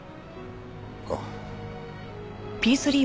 ああ。